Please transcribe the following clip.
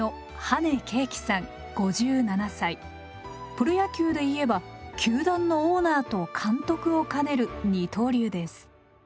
プロ野球で言えば球団のオーナーと監督を兼ねる二刀流です。